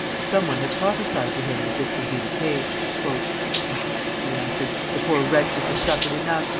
Some one had prophesied to him that this would be the case. "Bah!" he answered, "the poor wretches have suffered enough.